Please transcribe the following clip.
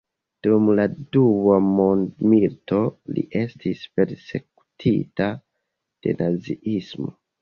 Dum la Dua Mondmilito, li estis persekutita de Naziismo.